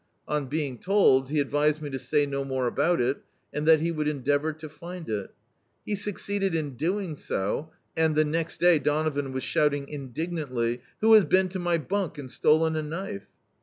On being told, he advised me to say no more about it, and that he would endeavour to find it. He succeeded in doing so, and the next day Donovan was shouting indignantly — "VS'ho has been to my bunk and stolen a knife?"